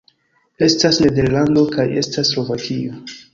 Estas Nederlando kaj estas Slovakio